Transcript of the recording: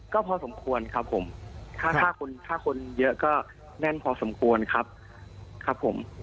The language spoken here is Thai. ก็พอสมควรครับผมถ้าคนเยอะก็แน่นพอสมควรครับ